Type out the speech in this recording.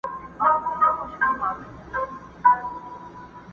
چي بوډا رخصتېدی له هسپتاله٫